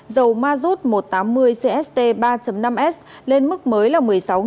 dầu mazut một trăm tám mươi cst ba năm s lên mức mới là một mươi sáu